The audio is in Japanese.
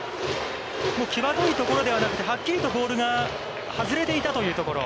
際どいところではなくて、はっきりとボールが外れていたというところ。